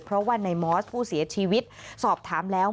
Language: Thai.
เพราะว่าในมอสผู้เสียชีวิตสอบถามแล้ว